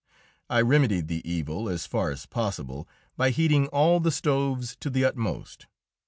I remedied the evil as far as possible by heating all the stoves to the utmost.